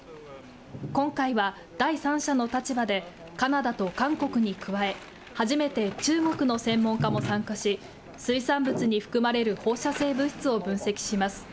今回は、第三者の立場で、カナダと韓国に加え、初めて中国の専門家も参加し、水産物に含まれる放射性物質を分析します。